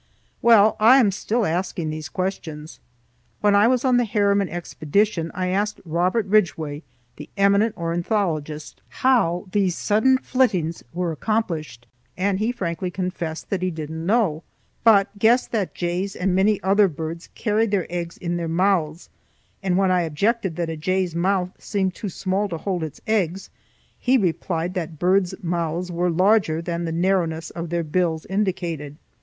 Well, I am still asking these questions. When I was on the Harriman Expedition I asked Robert Ridgway, the eminent ornithologist, how these sudden flittings were accomplished, and he frankly confessed that he didn't know, but guessed that jays and many other birds carried their eggs in their mouths; and when I objected that a jay's mouth seemed too small to hold its eggs, he replied that birds' mouths were larger than the narrowness of their bills indicated.